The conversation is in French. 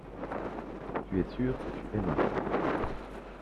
Tu es sûr que tu aimas.